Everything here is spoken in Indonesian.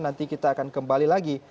nanti kita akan beritahu anda yang lainnya